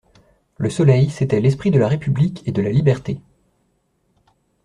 Le soleil c'était l'esprit de la République et de la Liberté!